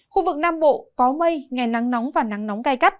khu vực nam bộ có mây ngày nắng nóng và nắng nóng gai gắt